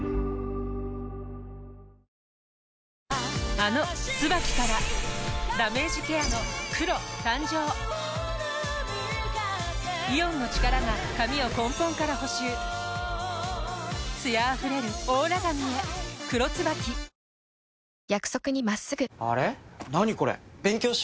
あの「ＴＳＵＢＡＫＩ」からダメージケアの黒誕生イオンの力が髪を根本から補修艶あふれるオーラ髪へ「黒ＴＳＵＢＡＫＩ」みんな！